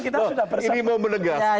ini mau menegaskan